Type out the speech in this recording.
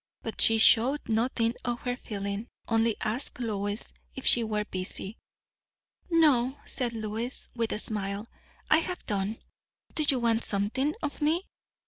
But she showed nothing of her feeling; only asked Lois if she were busy. "No," said Lois, with a smile; "I have done. Do you want something of me?"